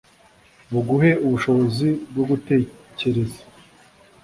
buguhe ubushobozi bwo gutekereza